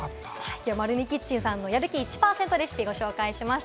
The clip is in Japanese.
きょうは、まるみキッチンさんのやる気１％レシピをお伝えしました。